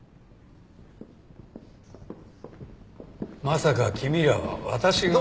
まさか君らは私が。